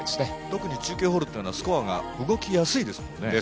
特に中堅ホールというのはスコアが動きやすいですよね。